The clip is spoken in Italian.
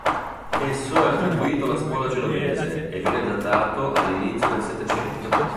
Esso è attribuito alla scuola genovese e viene datato all'inizio del Settecento.